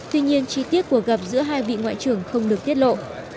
tuy nhiên chi tiết cuộc gặp giữa hai vị ngoại trưởng không được tiết lộ